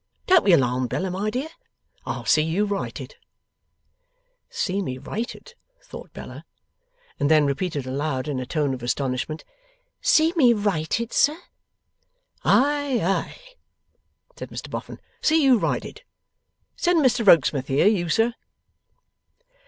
Don't be alarmed, Bella my dear. I'll see you righted.' 'See me righted?' thought Bella. And then repeated aloud in a tone of astonishment: 'see me righted, sir?' 'Ay, ay!' said Mr Boffin. 'See you righted. Send Mr Rokesmith here, you sir.